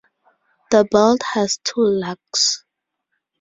The bolt has two lugs.